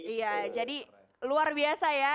iya jadi luar biasa ya